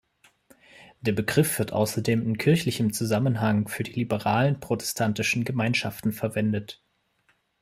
Der Begriff wird außerdem in kirchlichem Zusammenhang für die liberaleren protestantischen Gemeinschaften verwendet.